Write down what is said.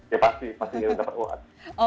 ya pasti pasti ingin mendapat uang